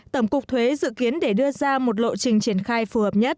tổng cục thuế dự kiến để đưa ra một lộ trình triển khai phù hợp nhất